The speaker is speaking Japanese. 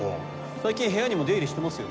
最近部屋にも出入りしてますよ。